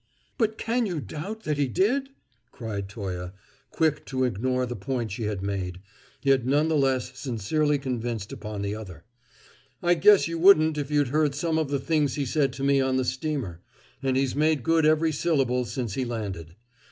"But can you doubt that he did?" cried Toye, quick to ignore the point she had made, yet none the less sincerely convinced upon the other. "I guess you wouldn't if you'd heard some of the things he said to me on the steamer; and he's made good every syllable since he landed.